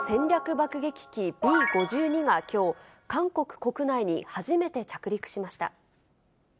爆撃機、Ｂ５２がきょう、韓国国内に初めて着陸しました。